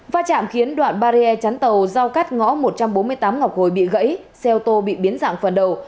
va chạm khiến đoạn barrier chắn tàu giao cắt ngõ một trăm bốn mươi tám ngọc hồi bị gãy xe ô tô bị biến dạng phần đầu